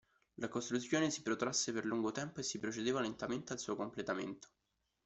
La costruzione si protrasse per lungo tempo e si procedeva lentamente al suo completamento.